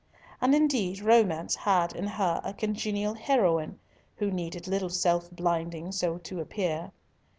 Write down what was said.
And, indeed, romance had in her a congenial heroine, who needed little self blinding so to appear.